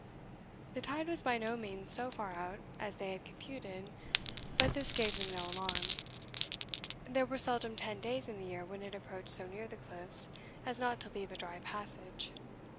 The tide was by no means so far out as they had computed but this gave them no alarm; there were seldom ten days in the year when it approached so near the cliffs as not to leave a dry passage.